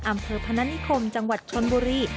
อำเภอพนัทธิคมจังหวัดชนบุรี